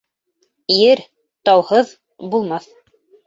Ер тауһыҙ булмаҫ.